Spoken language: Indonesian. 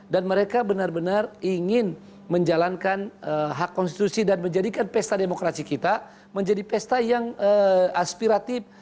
dan mereka benar benar ingin menjalankan hak konstitusi dan menjadikan pesta demokrasi kita menjadi pesta yang aspiratif